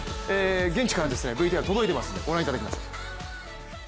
現地からＶＴＲ届いていますのでご覧いただきましょう。